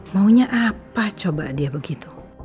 maunya apa coba dia begitu